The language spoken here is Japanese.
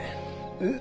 えっ？